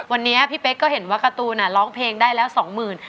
วันนี้พี่เป๊กก็เห็นว่าการ์ตูนร้องเพลงได้แล้วสองหมื่น